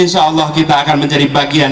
insya allah kita akan menjadi bagian